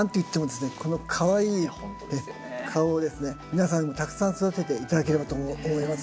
皆さんにたくさん育てて頂ければと思います。